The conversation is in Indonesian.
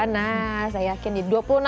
nah saya yakin nih